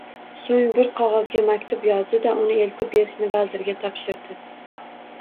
Soʻng bir qogʻozga maktub yozdi-da, uni eltib berishni vazirga topshirdi